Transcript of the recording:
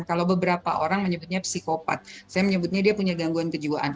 kalau beberapa orang menyebutnya psikopat saya menyebutnya dia punya gangguan kejiwaan